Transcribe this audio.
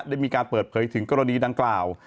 ได้มีการเปิดเผยถึงกรณีดังกล่าว